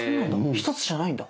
１つじゃないんだ！